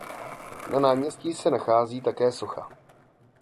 Na náměstí se nachází také socha.